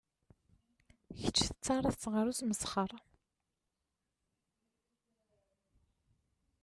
Kečč tettaraḍ-tt ɣer usmesxer.